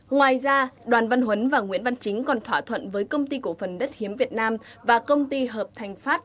ngoài ra đoàn văn huấn và nguyễn văn chính còn thỏa thuận với công ty cổ phần đất hiếm việt nam và công ty hợp thành pháp